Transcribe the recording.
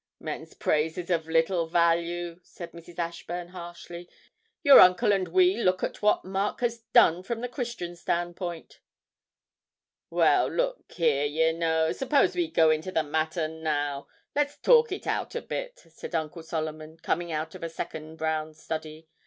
'Men's praise is of little value,' said Mrs. Ashburn, harshly. 'Your uncle and we look at what Mark has done from the Christian's standpoint.' 'Well, look here, y' know. Suppose we go into the matter now; let's talk it out a bit,' said Uncle Solomon, coming out of a second brown study.